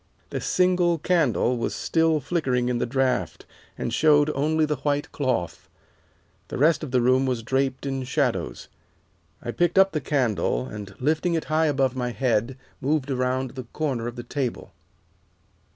"The single candle was still flickering in the draught, and showed only the white cloth. The rest of the room was draped in shadows. I picked up the candle, and, lifting it high above my head, moved around the corner of the table.